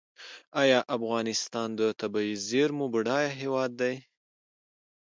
آیا افغانستان د طبیعي زیرمو بډایه هیواد دی؟